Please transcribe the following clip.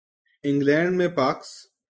England میں پاکس